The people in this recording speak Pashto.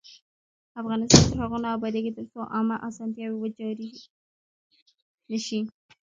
افغانستان تر هغو نه ابادیږي، ترڅو عامه اسانتیاوې ویجاړې نشي.